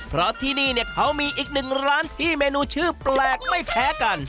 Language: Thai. เพราะที่นี่เนี่ยเขามีอีกหนึ่งร้านที่เมนูชื่อแปลกไม่แพ้กัน